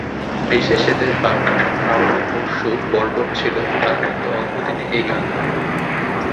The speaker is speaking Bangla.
বিশেষ এদের বাপ-দাদা কাল না পরশু বর্বর ছিল, তা থেকে অল্পদিনে এই কাণ্ড।